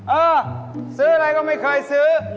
เออซื้ออะไรก็ไม่เคยซื้อ